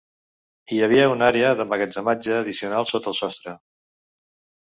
Hi havia una àrea d'emmagatzematge addicional sota el sostre.